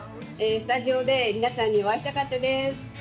スタジオで皆さんにお会いしたかったです。